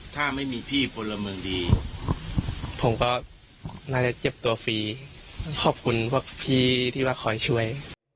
ถ้าไม่มีพี่พลเมืองดีผมก็น่าจะเจ็บตัวฟรีต้องขอบคุณพวกพี่ที่ว่าคอยช่วย